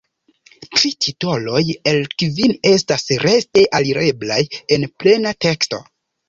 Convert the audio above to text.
Tri titoloj el kvin estas rete alireblaj en plena teksto.